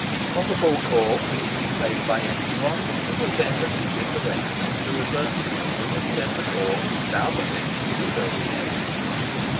On the full corves being replaced by empty ones, it was then the duty of the brakesman to reverse the engine, and send the corves down the pit to be filled again.